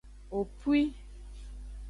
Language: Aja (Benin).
Opwi.